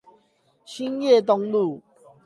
興業東路